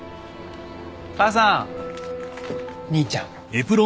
母さん兄ちゃん。